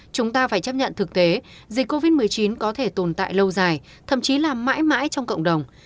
chúng ta phải chấp nhận thực tế dịch covid một mươi chín có thể tồn tại lâu dài thậm chí là mãi mãi trong cộng đồng